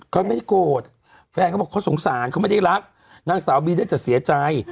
เขาไม่ได้โกรธแฟนเขาบอกเขาสงสารเขาไม่ได้รักนางสาวบีได้แต่เสียใจ